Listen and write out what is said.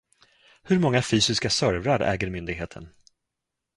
Hur många fysiska servrar äger myndigheten?